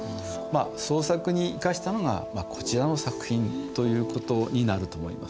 創作に生かしたのがこちらの作品という事になると思います。